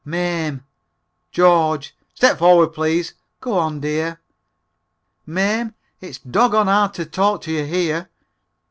"Mame." "George! (Step forward, please.) Go on, dear." "Mame, it's doggon hard to talk to you here."